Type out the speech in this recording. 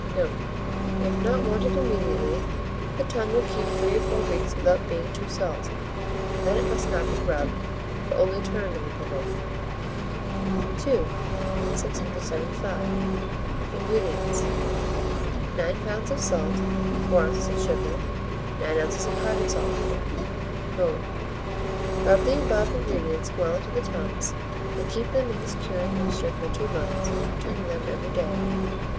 Note. If not wanted immediately, the tongue will keep 3 or 4 weeks without being too salt; then it must not be rubbed, but only turned in the pickle. II. 675. INGREDIENTS. 9 lbs. of salt, 8 oz. of sugar, 9 oz. of powdered saltpetre. Mode. Rub the above ingredients well into the tongues, and keep them in this curing mixture for 2 months, turning them every day.